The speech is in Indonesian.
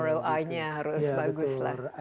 roi nya harus bagus lah